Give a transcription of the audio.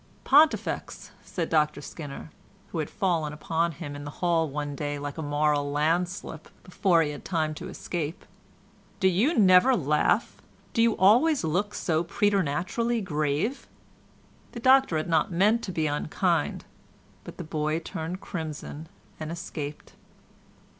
"Pontifex," said Dr Skinner, who had fallen upon him in hall one day like a moral landslip, before he had time to escape, "do you never laugh? Do you always look so preternaturally grave?" The doctor had not meant to be unkind, but the boy turned crimson, and escaped.